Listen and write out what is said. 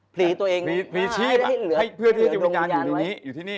พรีตัวเองพรีชีพเพื่อที่วิญญาณอยู่ในนี้อยู่ที่นี่